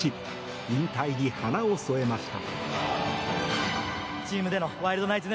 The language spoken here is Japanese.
引退に花を添えました。